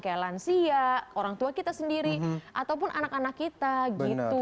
kayak lansia orang tua kita sendiri ataupun anak anak kita gitu